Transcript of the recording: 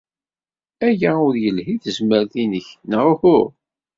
Aya ur yelhi i tezmert-nnek, neɣ uhu?